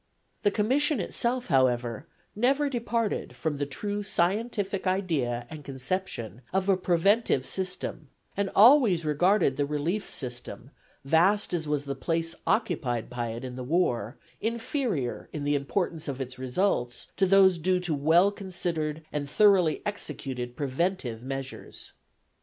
The Commission itself, however, never departed from the true scientific idea and conception of a preventive system, and always regarded the relief system, vast as was the place occupied by it in the war, as inferior in the importance of its results to those due to well considered and thoroughly executed preventive measures.